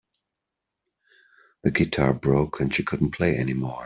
The guitar broke and she couldn't play anymore.